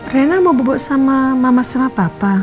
rena mau bebuk sama mama sama papa